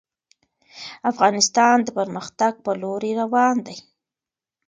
افغانستان د پرمختګ په لوري روان دی.